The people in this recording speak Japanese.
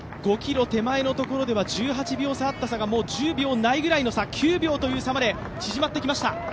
５ｋｍ手前では１８秒差あった差が１０秒ないぐらいの差、９秒という差まで縮まってきました